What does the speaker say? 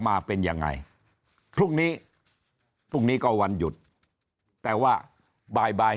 มาเป็นยังไงพรุ่งนี้พรุ่งนี้ก็วันหยุดแต่ว่าบ่ายบ่าย